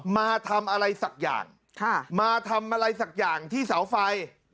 มาทำอะไรสักอย่างมาทำอะไรสักอย่างที่เสาไฟ